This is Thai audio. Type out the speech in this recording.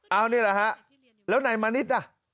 เอ้านี่แหละฮะแล้วไหนมณิษฐ์น่ะ